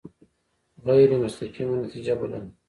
غیر مستقیمه نتیجه بلله.